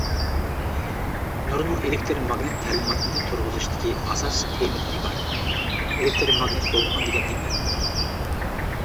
نۇرنىڭ ئېلېكتر ماگنىت تەلىماتىنى تۇرغۇزۇشتىكى ئاساس تېمىدىن ئىبارەت؟ ئېلېكتر ماگنىت دولقۇن دېگەن نېمە؟